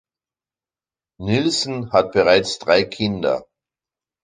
Nielsen hat bereits drei Kinder.